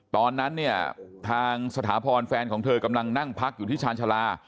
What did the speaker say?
ตอนนั้นเนี่ยทางสถาพรแฟนของเธอกำลังนั่งพักอยู่ที่ชาญชาลา